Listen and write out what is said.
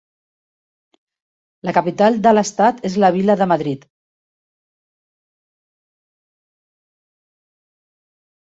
La capital de l'Estat és la vila de Madrid.